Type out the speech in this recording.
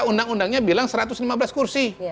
undang undangnya bilang satu ratus lima belas kursi